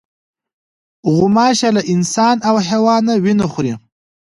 غوماشه له انسان او حیوانه وینه خوري.